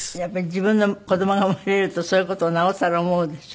自分の子どもが生まれるとそういう事をなおさら思うでしょ？